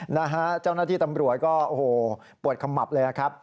นะฮะเจ้าหน้าที่ตำรวจก็โอ้โหปวดขมับเลยนะครับ